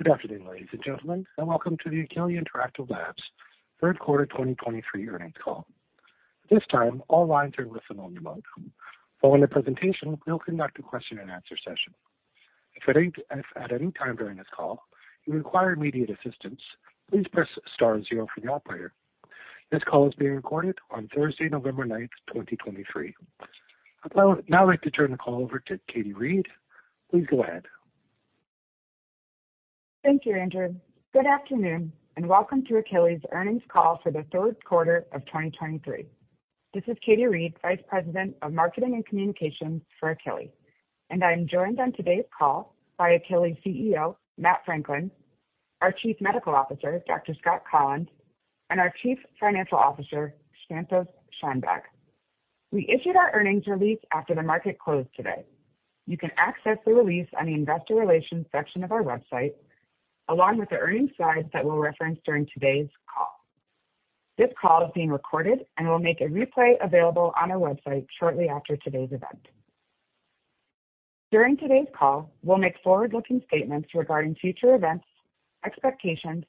Good afternoon, ladies and gentlemen, and welcome to the Akili Interactive third quarter 2023 earnings call. At this time, all lines are in listen-only mode. Following the presentation, we'll conduct a question-and-answer session. If at any time during this call you require immediate assistance, please press star zero from your operator. This call is being recorded on Thursday, November 9th, 2023. I'd now like to turn the call over to Caty Reid. Please go ahead. Thank you, Andrew. Good afternoon, and welcome to Akili's earnings call for the third quarter of 2023. This is Caty Reid, Vice President of Marketing and Communications for Akili, and I'm joined on today's call by Akili's CEO, Matt Franklin, our Chief Medical Officer, Dr. Scott Kollins, and our Chief Financial Officer, Santosh Shanbhag. We issued our earnings release after the market closed today. You can access the release on the investor relations section of our website, along with the earnings slides that we'll reference during today's call. This call is being recorded, and we'll make a replay available on our website shortly after today's event. During today's call, we'll make forward-looking statements regarding future events, expectations,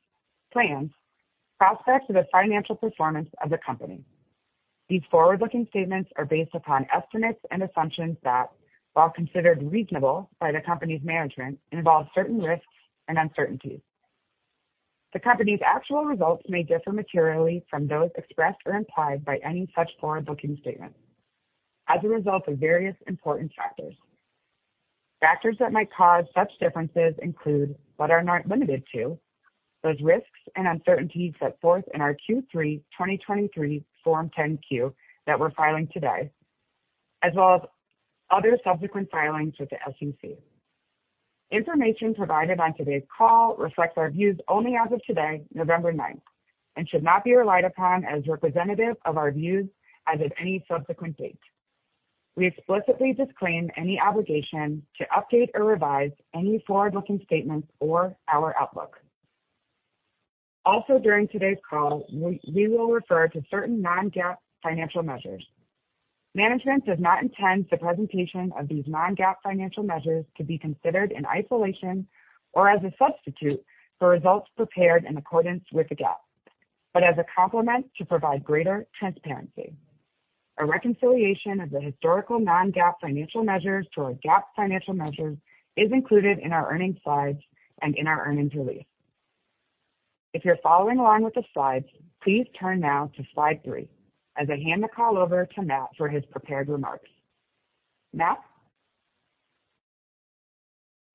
plans, prospects of the financial performance of the company. These forward-looking statements are based upon estimates and assumptions that, while considered reasonable by the company's management, involve certain risks and uncertainties. The company's actual results may differ materially from those expressed or implied by any such forward-looking statement as a result of various important factors. Factors that might cause such differences include, but are not limited to, those risks and uncertainties set forth in our Q3 2023 Form 10-Q that we're filing today, as well as other subsequent filings with the SEC. Information provided on today's call reflects our views only as of today, November 9th, and should not be relied upon as representative of our views as of any subsequent date. We explicitly disclaim any obligation to update or revise any forward-looking statements or our outlook. Also, during today's call, we will refer to certain non-GAAP financial measures. Management does not intend the presentation of these non-GAAP financial measures to be considered in isolation or as a substitute for results prepared in accordance with the GAAP, but as a complement to provide greater transparency. A reconciliation of the historical non-GAAP financial measures to our GAAP financial measures is included in our earnings slides and in our earnings release. If you're following along with the slides, please turn now to slide 3, as I hand the call over to Matt for his prepared remarks. Matt?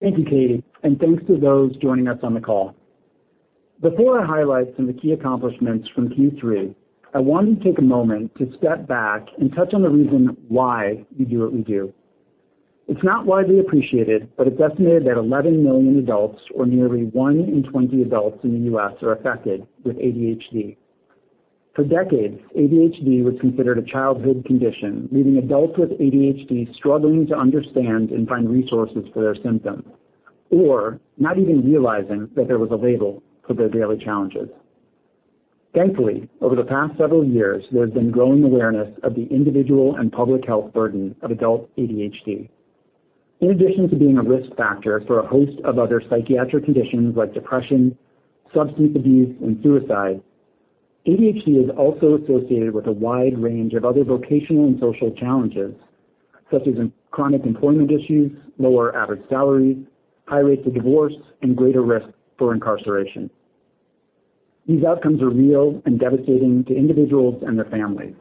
Thank you, Caty, and thanks to those joining us on the call. Before I highlight some of the key accomplishments from Q3, I want to take a moment to step back and touch on the reason why we do what we do. It's not widely appreciated, but it's estimated that 11 million adults, or nearly one in 20 adults in the U.S., are affected with ADHD. For decades, ADHD was considered a childhood condition, leaving adults with ADHD struggling to understand and find resources for their symptoms, or not even realizing that there was a label for their daily challenges. Thankfully, over the past several years, there has been growing awareness of the individual and public health burden of adult ADHD. In addition to being a risk factor for a host of other psychiatric conditions like depression, substance abuse, and suicide, ADHD is also associated with a wide range of other vocational and social challenges, such as chronic employment issues, lower average salaries, high rates of divorce, and greater risk for incarceration. These outcomes are real and devastating to individuals and their families.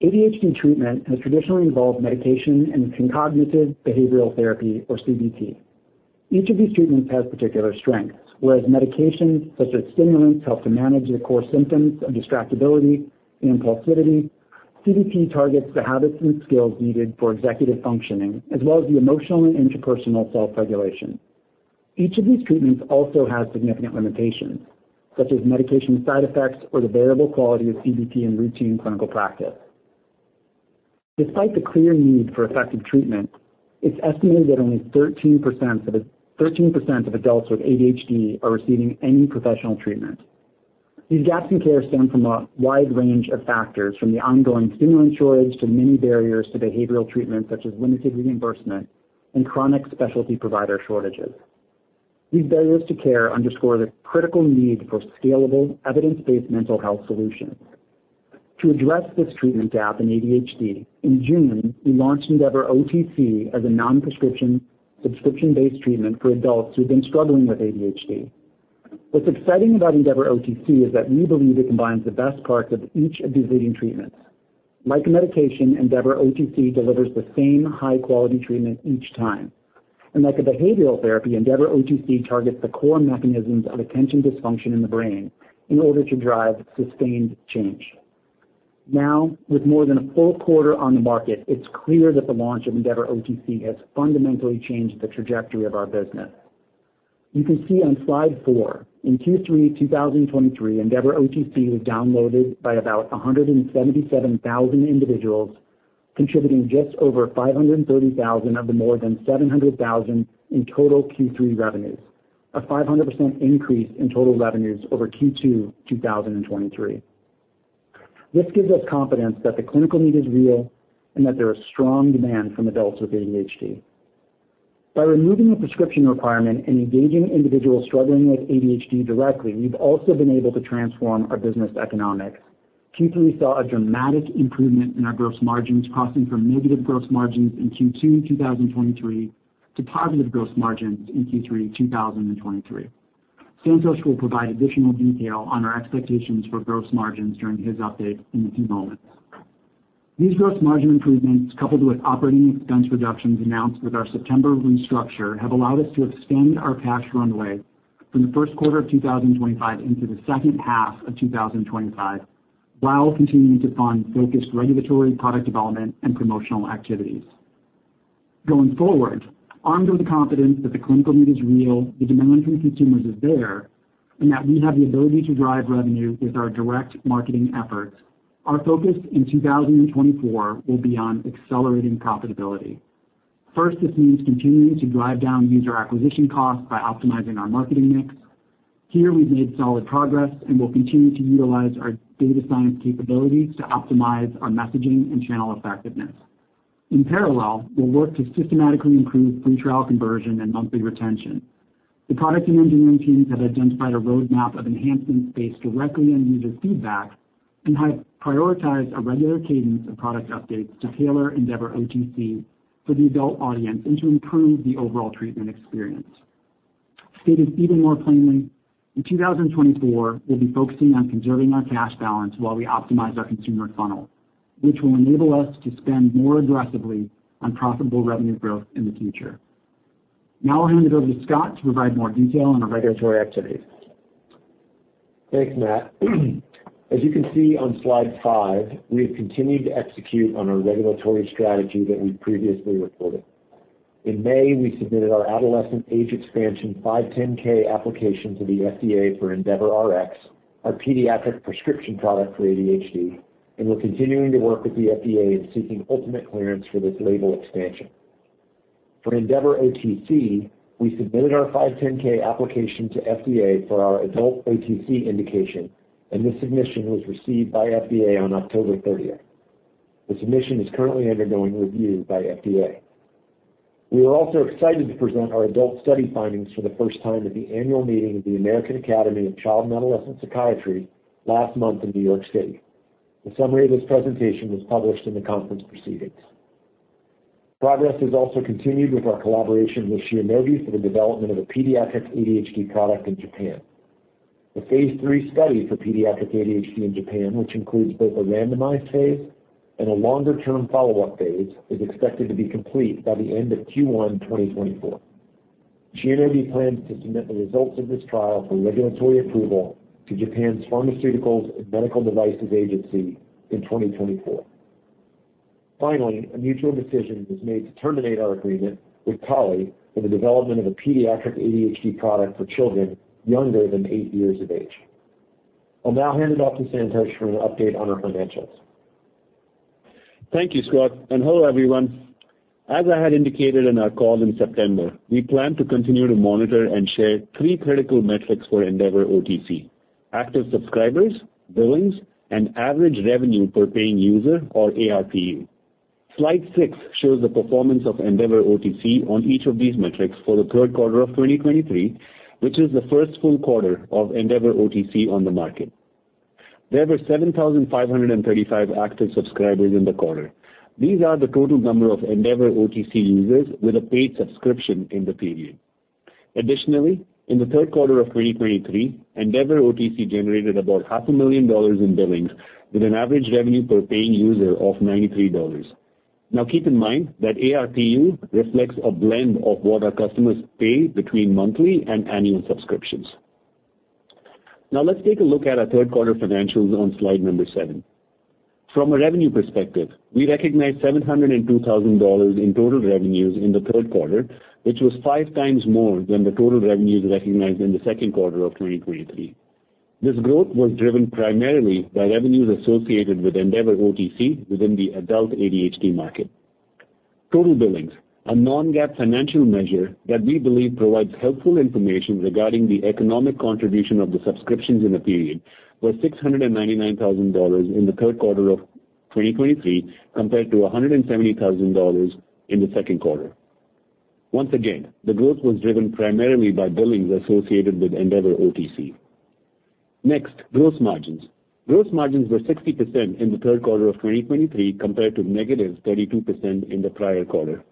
ADHD treatment has traditionally involved medication and cognitive behavioral therapy, or CBT. Each of these treatments has particular strengths, whereas medications such as stimulants help to manage the core symptoms of distractibility and impulsivity, CBT targets the habits and skills needed for executive functioning, as well as the emotional and interpersonal self-regulation. Each of these treatments also has significant limitations, such as medication side effects or the variable quality of CBT in routine clinical practice. Despite the clear need for effective treatment, it's estimated that only 13% of adults with ADHD are receiving any professional treatment. These gaps in care stem from a wide range of factors, from the ongoing stimulant shortage to many barriers to behavioral treatment, such as limited reimbursement and chronic specialty provider shortages. These barriers to care underscore the critical need for scalable, evidence-based mental health solutions. To address this treatment gap in ADHD, in June, we launched EndeavorOTC as a non-prescription, subscription-based treatment for adults who've been struggling with ADHD. What's exciting about EndeavorOTC is that we believe it combines the best parts of each of these leading treatments. Like medication, EndeavorOTC delivers the same high-quality treatment each time, and like a behavioral therapy, EndeavorOTC targets the core mechanisms of attention dysfunction in the brain in order to drive sustained change. Now, with more than a full quarter on the market, it's clear that the launch of EndeavorOTC has fundamentally changed the trajectory of our business. You can see on slide four, in Q3 2023, EndeavorOTC was downloaded by about 177,000 individuals, contributing just over $530,000 of the more than $700,000 in total Q3 revenues, a 500% increase in total revenues over Q2 2023. This gives us confidence that the clinical need is real and that there is strong demand from adults with ADHD. By removing the prescription requirement and engaging individuals struggling with ADHD directly, we've also been able to transform our business economics. Q3 saw a dramatic improvement in our gross margins, crossing from negative gross margins in Q2, 2023, to positive gross margins in Q3, 2023. Santosh will provide additional detail on our expectations for gross margins during his update in a few moments. These gross margin improvements, coupled with operating expense reductions announced with our September restructure, have allowed us to extend our cash runway from the first quarter of 2025 into the second half of 2025, while continuing to fund focused regulatory product development and promotional activities. Going forward, armed with the confidence that the clinical need is real, the demand from consumers is there, and that we have the ability to drive revenue with our direct marketing efforts, our focus in 2024 will be on accelerating profitability. First, this means continuing to drive down user acquisition costs by optimizing our marketing mix. Here, we've made solid progress and will continue to utilize our data science capabilities to optimize our messaging and channel effectiveness. In parallel, we'll work to systematically improve free trial conversion and monthly retention. The product and engineering teams have identified a roadmap of enhancements based directly on user feedback, and have prioritized a regular cadence of product updates to tailor EndeavorOTC for the adult audience and to improve the overall treatment experience. Stated even more plainly, in 2024, we'll be focusing on conserving our cash balance while we optimize our consumer funnel, which will enable us to spend more aggressively on profitable revenue growth in the future. Now I'll hand it over to Scott to provide more detail on our regulatory activities. Thanks, Matt. As you can see on slide five, we have continued to execute on our regulatory strategy that we previously reported. In May, we submitted our adolescent age expansion 510(k) application to the FDA for EndeavorRx, our pediatric prescription product for ADHD, and we're continuing to work with the FDA in seeking ultimate clearance for this label expansion. For EndeavorOTC, we submitted our 510(k) application to FDA for our adult OTC indication, and this submission was received by FDA on October 30. The submission is currently undergoing review by FDA. We were also excited to present our adult study findings for the first time at the annual meeting of the American Academy of Child and Adolescent Psychiatry last month in New York City. A summary of this presentation was published in the conference proceedings. Progress has also continued with our collaboration with Shionogi for the development of a pediatric ADHD product in Japan. The phase III study for pediatric ADHD in Japan, which includes both a randomized phase and a longer-term follow-up phase, is expected to be complete by the end of Q1, 2024. Shionogi plans to submit the results of this trial for regulatory approval to Japan's Pharmaceuticals and Medical Devices Agency in 2024. Finally, a mutual decision was made to terminate our agreement with Pear for the development of a pediatric ADHD product for children younger than eight years of age. I'll now hand it off to Santosh for an update on our financials. Thank you, Scott, and hello, everyone. As I had indicated in our call in September, we plan to continue to monitor and share three critical metrics for EndeavorOTC: active subscribers, billings, and average revenue per paying user, or ARPU. Slide six shows the performance of EndeavorOTC on each of these metrics for the third quarter of 2023, which is the first full quarter of EndeavorOTC on the market. There were 7,535 active subscribers in the quarter. These are the total number of EndeavorOTC users with a paid subscription in the period. Additionally, in the third quarter of 2023, EndeavorOTC generated about $500,000 in billings, with an average revenue per paying user of $93. Now, keep in mind that ARPU reflects a blend of what our customers pay between monthly and annual subscriptions. Now, let's take a look at our third quarter financials on slide number seven. From a revenue perspective, we recognized $702,000 in total revenues in the third quarter, which was 5 times more than the total revenues recognized in the second quarter of 2023. This growth was driven primarily by revenues associated with EndeavorOTC within the adult ADHD market. Total billings, a non-GAAP financial measure that we believe provides helpful information regarding the economic contribution of the subscriptions in a period, were $699,000 in the third quarter of 2023, compared to $170,000 in the second quarter. Once again, the growth was driven primarily by billings associated with EndeavorOTC. Next, gross margins. Gross margins were 60% in the third quarter of 2023, compared to -32% in the prior quarter.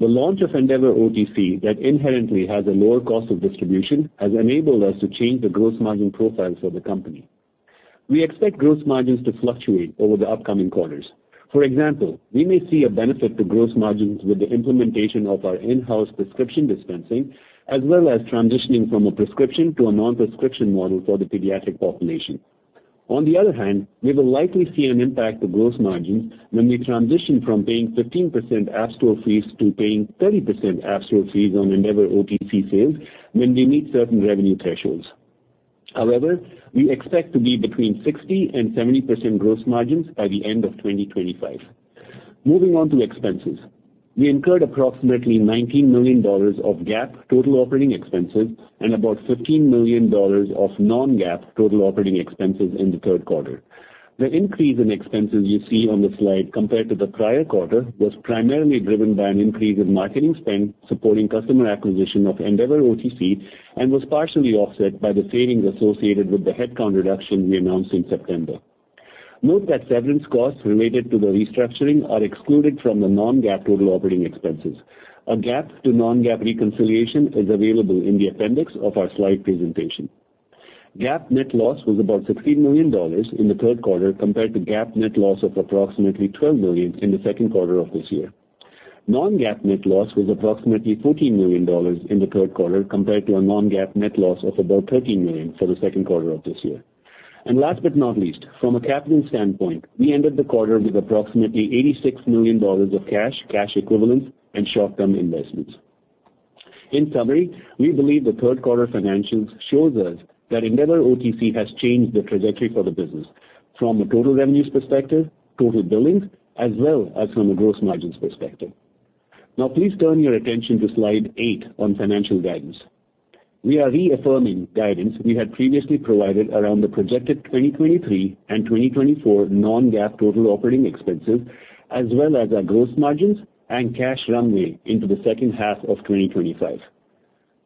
The launch of EndeavorOTC, that inherently has a lower cost of distribution, has enabled us to change the gross margin profile for the company. We expect gross margins to fluctuate over the upcoming quarters. For example, we may see a benefit to gross margins with the implementation of our in-house prescription dispensing, as well as transitioning from a prescription to a non-prescription model for the pediatric population. On the other hand, we will likely see an impact to gross margins when we transition from paying 15% app store fees to paying 30% app store fees on EndeavorOTC sales when we meet certain revenue thresholds. However, we expect to be between 60% and 70% gross margins by the end of 2025.... Moving on to expenses. We incurred approximately $19 million of GAAP total operating expenses and about $15 million of non-GAAP total operating expenses in the third quarter. The increase in expenses you see on the slide compared to the prior quarter was primarily driven by an increase in marketing spend supporting customer acquisition of EndeavorOTC, and was partially offset by the savings associated with the headcount reduction we announced in September. Note that severance costs related to the restructuring are excluded from the non-GAAP total operating expenses. A GAAP to non-GAAP reconciliation is available in the appendix of our slide presentation. GAAP net loss was about $16 million in the third quarter, compared to GAAP net loss of approximately $12 million in the second quarter of this year. Non-GAAP net loss was approximately $14 million in the third quarter, compared to a non-GAAP net loss of about $13 million for the second quarter of this year. Last but not least, from a capital standpoint, we ended the quarter with approximately $86 million of cash, cash equivalents, and short-term investments. In summary, we believe the third quarter financials shows us that EndeavorOTC has changed the trajectory for the business from a total revenues perspective, total billings, as well as from a gross margins perspective. Now, please turn your attention to slide eight on financial guidance. We are reaffirming guidance we had previously provided around the projected 2023 and 2024 non-GAAP total operating expenses, as well as our gross margins and cash runway into the second half of 2025.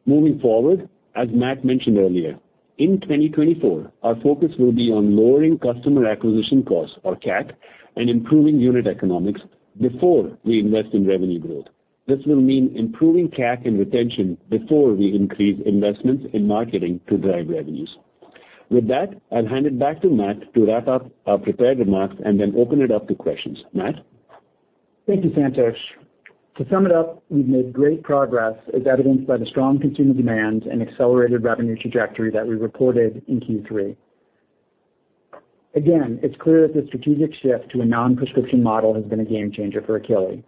Moving forward, as Matt mentioned earlier, in 2024, our focus will be on lowering customer acquisition costs, or CAC, and improving unit economics before we invest in revenue growth. This will mean improving CAC and retention before we increase investments in marketing to drive revenues. With that, I'll hand it back to Matt to wrap up our prepared remarks and then open it up to questions. Matt? Thank you, Santosh. To sum it up, we've made great progress, as evidenced by the strong consumer demand and accelerated revenue trajectory that we reported in Q3. Again, it's clear that the strategic shift to a non-prescription model has been a game changer for Akili.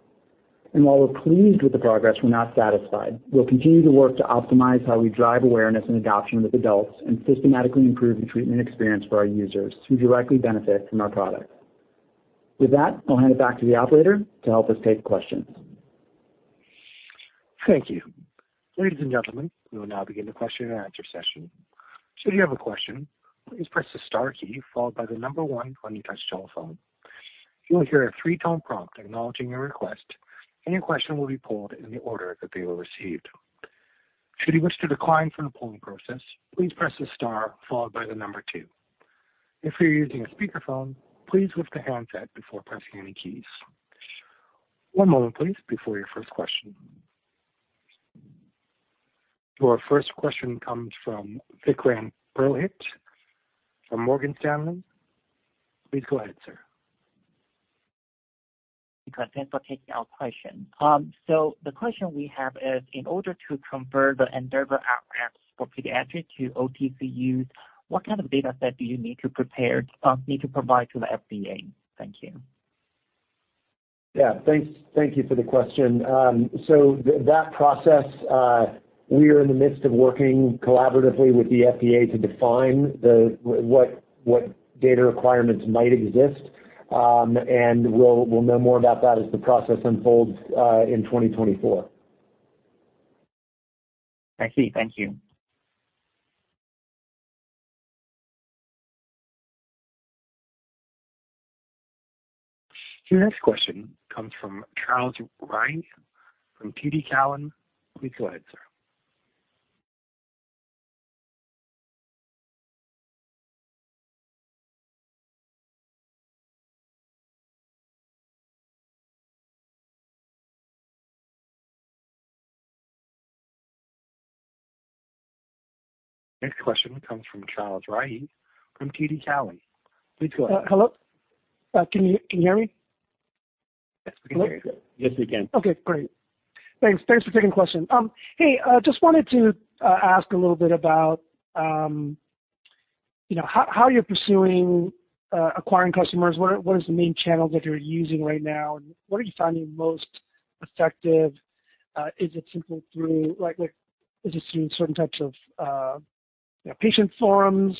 And while we're pleased with the progress, we're not satisfied. We'll continue to work to optimize how we drive awareness and adoption with adults and systematically improve the treatment experience for our users who directly benefit from our product. With that, I'll hand it back to the operator to help us take questions. Thank you. Ladies and gentlemen, we will now begin the question and answer session. Should you have a question, please press the star key followed by the number one on your touch telephone. You will hear a three-tone prompt acknowledging your request, and your question will be pulled in the order that they were received. Should you wish to decline from the polling process, please press star followed by the number two. If you're using a speakerphone, please lift the handset before pressing any keys. One moment, please, before your first question. Your first question comes from Vikram Purohit from Morgan Stanley. Please go ahead, sir. Thanks for taking our question. So the question we have is, in order to convert the EndeavorRx for pediatric to OTC use, what kind of data set do you need to provide to the FDA? Thank you. Yeah, thanks. Thank you for the question. So that process, we are in the midst of working collaboratively with the FDA to define what data requirements might exist, and we'll know more about that as the process unfolds in 2024. I see. Thank you. Your next question comes from Charles Rhyee from TD Cowen. Please go ahead, sir. The next question comes from Charles Rhyee from TD Cowen. Please go ahead. Hello? Can you hear me? Yes, we can hear you. Yes, we can. Okay, great. Thanks, thanks for taking the question. Hey, just wanted to ask a little bit about, you know, how, how you're pursuing acquiring customers. What are, what is the main channels that you're using right now, and what are you finding most effective? Is it simply through like, like, is it through certain types of, you know, patient forums,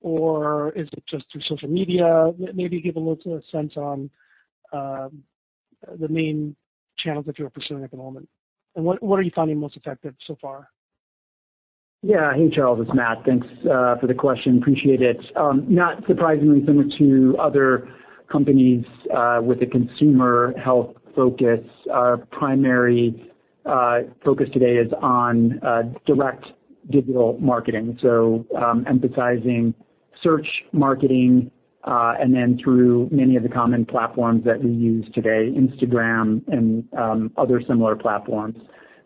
or is it just through social media? Maybe give a little sense on, the main channels that you are pursuing at the moment, and what, what are you finding most effective so far? Yeah. Hey, Charles, it's Matt. Thanks for the question. Appreciate it. Not surprisingly, similar to other companies with a consumer health focus, our primary focus today is on direct digital marketing, so emphasizing search marketing and then through many of the common platforms that we use today, Instagram and other similar platforms.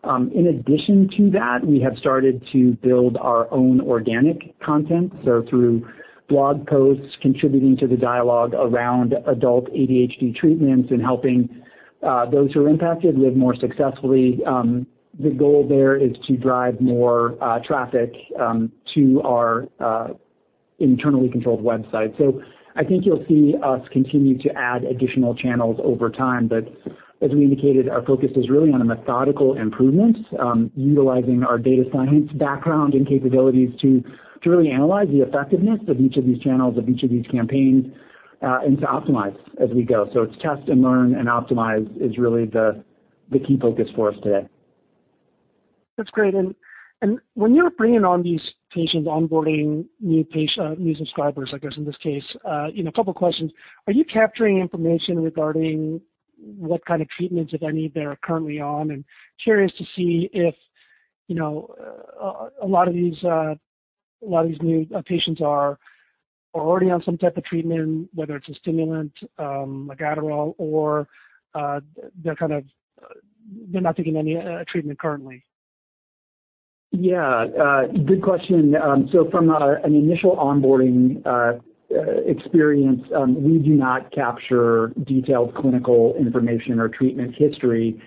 In addition to that, we have started to build our own organic content, so through blog posts, contributing to the dialogue around adult ADHD treatments and helping those who are impacted live more successfully. The goal there is to drive more traffic to our internally controlled website. So I think you'll see us continue to add additional channels over time. But as we indicated, our focus is really on a methodical improvement, utilizing our data science background and capabilities to really analyze the effectiveness of each of these channels, of each of these campaigns, and to optimize as we go. So it's test and learn and optimize is really the key focus for us today. ... That's great! And when you're bringing on these patients, onboarding new patient, new subscribers, I guess, in this case, you know, a couple questions. Are you capturing information regarding what kind of treatments, if any, they're currently on? And curious to see if, you know, a lot of these new patients are already on some type of treatment, whether it's a stimulant, like Adderall, or they're kind of, they're not taking any treatment currently. Yeah, good question. So from an initial onboarding experience, we do not capture detailed clinical information or treatment history.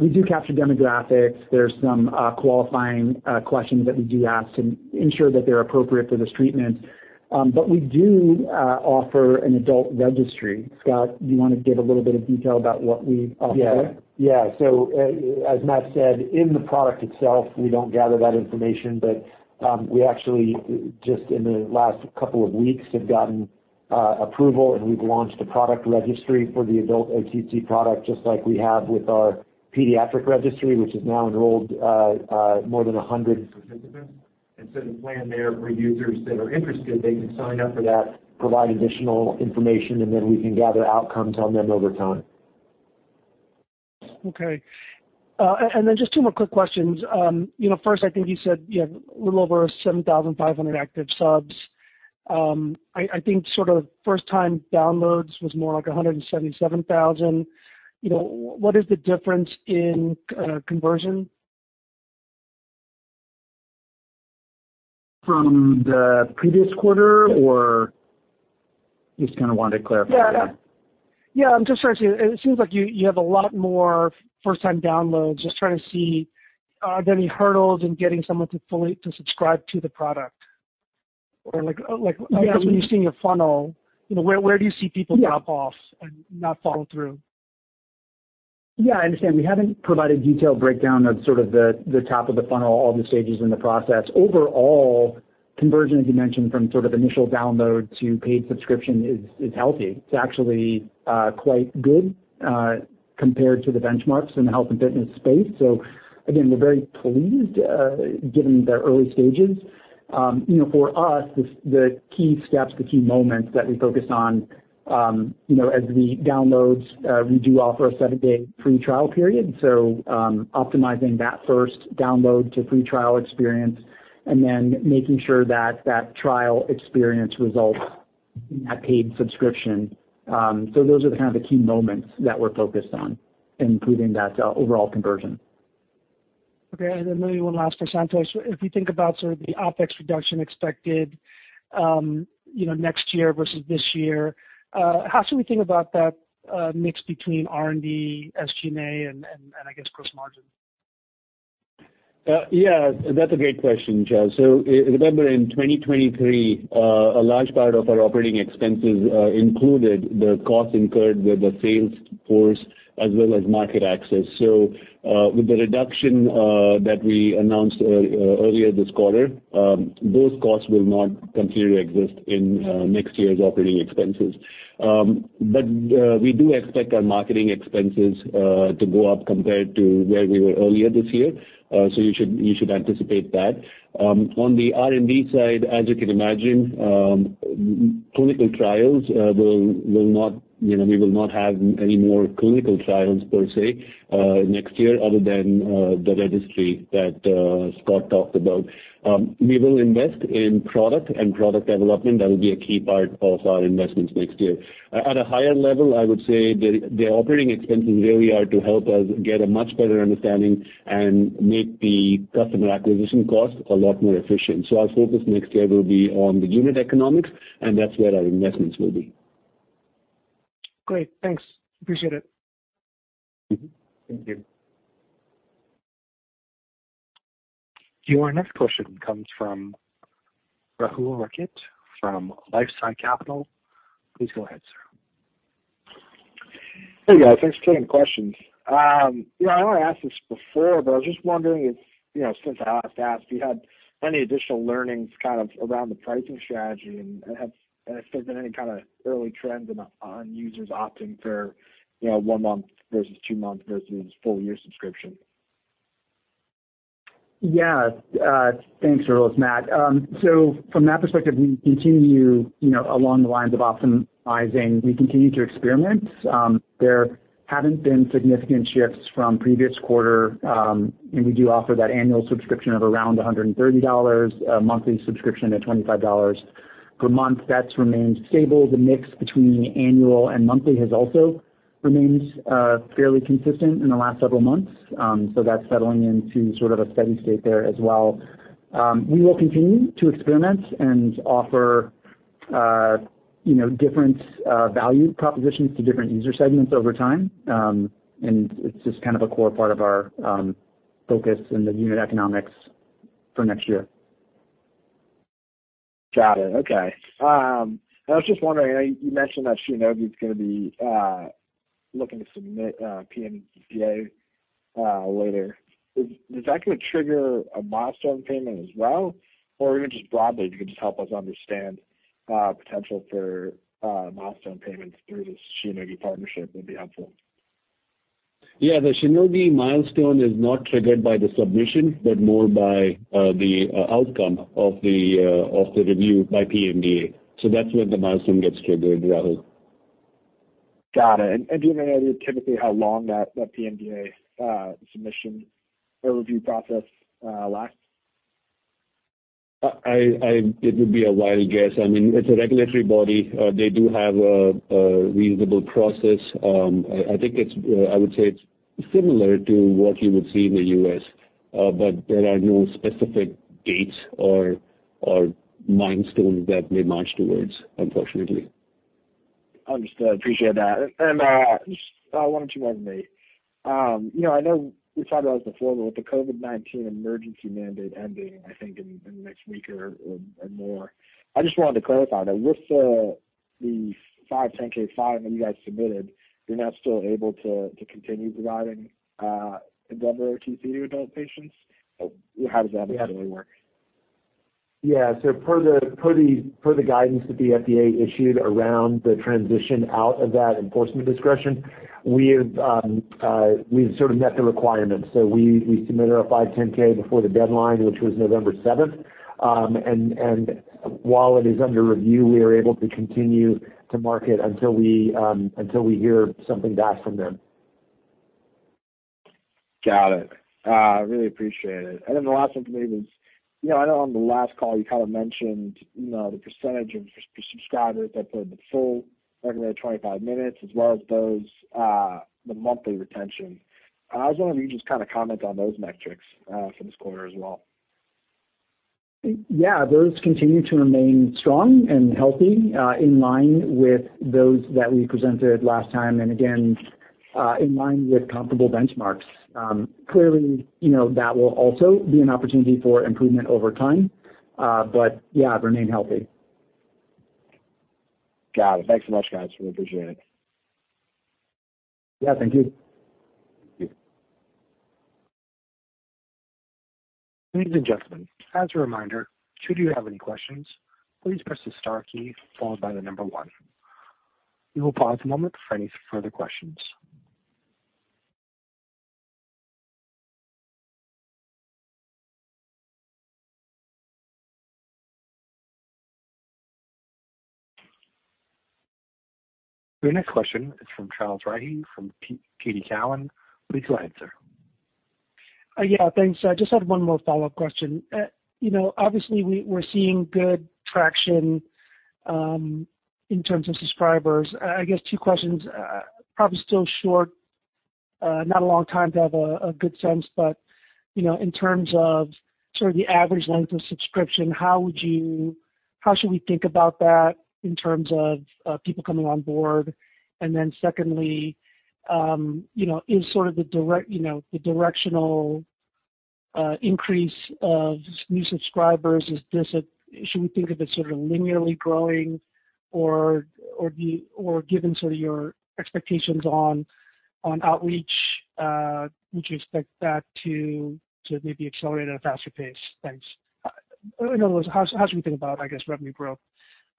We do capture demographics. There's some qualifying questions that we do ask to ensure that they're appropriate for this treatment. But we do offer an adult registry. Scott, do you want to give a little bit of detail about what we offer? Yeah. Yeah. So, as Matt said, in the product itself, we don't gather that information, but, we actually, just in the last couple of weeks, have gotten, approval, and we've launched a product registry for the adult ADHD product, just like we have with our pediatric registry, which has now enrolled, more than 100 participants. And so the plan there for users that are interested, they can sign up for that, provide additional information, and then we can gather outcomes on them over time. Okay. And then just two more quick questions. You know, first, I think you said you have a little over 7,500 active subs. I think sort of first-time downloads was more like 177,000. You know, what is the difference in conversion? From the previous quarter, or.. just kind of wanted to clarify. Yeah. Yeah, I'm just trying to see. It seems like you, you have a lot more first-time downloads. Just trying to see, are there any hurdles in getting someone to fully, to subscribe to the product? Or like, like, when you're seeing a funnel, you know, where, where do you see people drop off and not follow through? Yeah, I understand. We haven't provided a detailed breakdown of sort of the top of the funnel, all the stages in the process. Overall, conversion, as you mentioned, from sort of initial download to paid subscription is healthy. It's actually quite good compared to the benchmarks in the health and fitness space. So again, we're very pleased given the early stages. You know, for us, the key steps, the key moments that we focus on as the downloads, we do offer a seven-day free trial period. So, optimizing that first download to free trial experience and then making sure that trial experience results in a paid subscription. So those are kind of the key moments that we're focused on in improving that overall conversion. Okay, and then maybe one last for Santosh. If you think about sort of the OpEx reduction expected, you know, next year versus this year, how should we think about that, mix between R&D, SG&A, and I guess, gross margin? Yeah, that's a great question, Joe. So remember, in 2023, a large part of our operating expenses included the costs incurred with the sales force as well as market access. So, with the reduction that we announced earlier this quarter, those costs will not continue to exist in next year's operating expenses. But, we do expect our marketing expenses to go up compared to where we were earlier this year. So you should anticipate that. On the R&D side, as you can imagine, clinical trials will not, you know, we will not have any more clinical trials per se next year other than the registry that Scott talked about. We will invest in product and product development. That will be a key part of our investments next year. At a higher level, I would say the operating expenses really are to help us get a much better understanding and make the customer acquisition cost a lot more efficient. So our focus next year will be on the unit economics, and that's where our investments will be. Great. Thanks. Appreciate it. Mm-hmm. Thank you. Our next question comes from Rahul Rakhit, from LifeSci Capital. Please go ahead, sir. Hey, guys. Thanks for taking the questions. You know, I know I asked this before, but I was just wondering if, you know, since I last asked, if you had any additional learnings kind of around the pricing strategy and have, if there's been any kind of early trends on users opting for, you know, one month versus two months versus full year subscription? Yeah. Thanks, Rahul. It's Matt. So from that perspective, we continue, you know, along the lines of optimizing, we continue to experiment. There haven't been significant shifts from previous quarter, and we do offer that annual subscription of around $130, a monthly subscription at $25 per month. That's remained stable. The mix between annual and monthly has also remained, fairly consistent in the last several months. So that's settling into sort of a steady state there as well. We will continue to experiment and offer, you know, different value propositions to different user segments over time. And it's just kind of a core part of our focus in the unit economics for next year. Got it. Okay. I was just wondering, I know you mentioned that Shionogi is gonna be looking to submit PMDA later. Is that gonna trigger a milestone payment as well? Or even just broadly, if you could just help us understand the potential for milestone payments through this Shionogi partnership would be helpful. Yeah, the Shionogi milestone is not triggered by the submission, but more by the outcome of the review by PMDA. So that's when the milestone gets triggered, Rahul. Got it. And do you have any idea typically how long that PMDA submission or review process lasts? It would be a wild guess. I mean, it's a regulatory body. They do have a reasonable process. I think it's I would say it's similar to what you would see in the U.S., but there are no specific dates or milestones that we march towards, unfortunately. Understood. Appreciate that. And just one or two more for me. You know, I know we talked about this before, but with the COVID-19 emergency mandate ending, I think in the next week or more, I just wanted to clarify that with the 510(k) that you guys submitted, you're now still able to continue providing EndeavorOTC to adult patients? How does that exactly work? Yeah. So per the guidance that the FDA issued around the transition out of that enforcement discretion, we have, we've sort of met the requirements. So we submitted our 510(k) before the deadline, which was November 7th. And while it is under review, we are able to continue to market until we hear something back from them. Got it. I really appreciate it. And then the last one for me was, you know, I know on the last call you kind of mentioned, you know, the percentage of subscribers that played the full regular 25 minutes as well as those, the monthly retention. I was wondering if you just kind of comment on those metrics, for this quarter as well. Yeah, those continue to remain strong and healthy, in line with those that we presented last time, and again, in line with comparable benchmarks. Clearly, you know, that will also be an opportunity for improvement over time, but yeah, remain healthy. Got it. Thanks so much, guys. Really appreciate it. Yeah, thank you. Thank you. Ladies and gentlemen, as a reminder, should you have any questions, please press the star key followed by the number one. We will pause a moment for any further questions. Your next question is from Charles Rhyee, from TD Cowen. Please go ahead, sir. Yeah, thanks. I just had one more follow-up question. You know, obviously we're seeing good traction in terms of subscribers. I guess two questions. Probably still short, not a long time to have a good sense, but you know, in terms of sort of the average length of subscription, how would you... how should we think about that in terms of people coming on board? And then secondly, you know, is sort of the direct, you know, the directional increase of new subscribers, is this should we think of it sort of linearly growing, or given sort of your expectations on outreach, would you expect that to maybe accelerate at a faster pace? Thanks. In other words, how should we think about,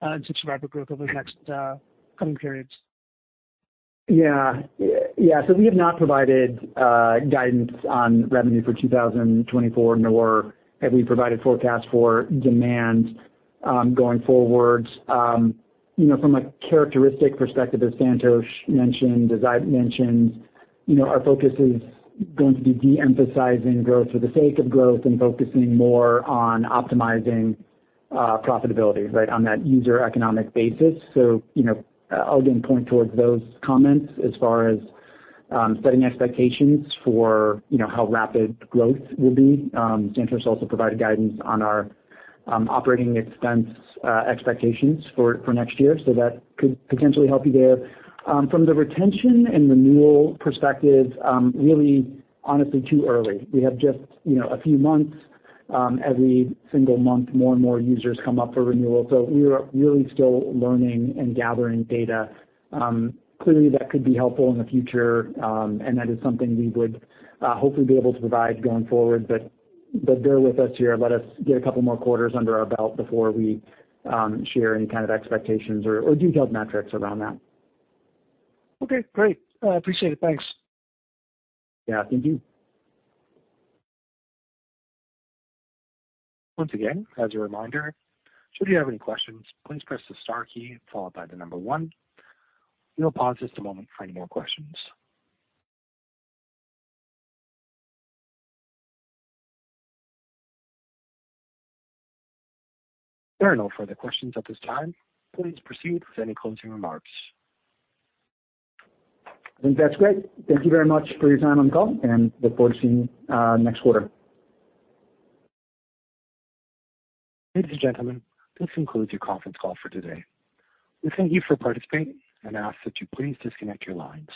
I guess, revenue growth and subscriber growth over the next coming periods? Yeah. Yeah, so we have not provided guidance on revenue for 2024, nor have we provided forecast for demand going forward. You know, from a characteristic perspective, as Santosh mentioned, as I mentioned, you know, our focus is going to be de-emphasizing growth for the sake of growth and focusing more on optimizing profitability, right? On that user economic basis. So, you know, I'll again point towards those comments as far as setting expectations for, you know, how rapid growth will be. Santosh also provided guidance on our operating expense expectations for next year, so that could potentially help you there. From the retention and renewal perspective, really, honestly, too early. We have just, you know, a few months. Every single month, more and more users come up for renewal, so we are really still learning and gathering data. Clearly, that could be helpful in the future, and that is something we would hopefully be able to provide going forward. Bear with us here. Let us get a couple more quarters under our belt before we share any kind of expectations or detailed metrics around that. Okay, great. I appreciate it. Thanks. Yeah, thank you. Once again, as a reminder, should you have any questions, please press the star key followed by the number one. We'll pause just a moment for any more questions. There are no further questions at this time. Please proceed with any closing remarks. I think that's great. Thank you very much for your time on the call, and look forward to seeing you next quarter. Ladies and gentlemen, this concludes your conference call for today. We thank you for participating and ask that you please disconnect your lines.